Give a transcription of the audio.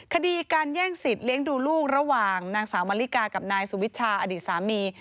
คดีการแย่งสิทธิ์เลี้ยงดูลูกระหว่างนางสาวมะลิกากับนายสุวิชาอดีตสามี